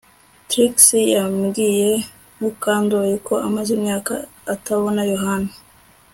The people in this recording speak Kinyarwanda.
Trix yabwiye Mukandoli ko amaze imyaka atabona Yohana